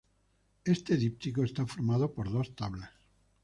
Este Díptico está formado por dos tablas.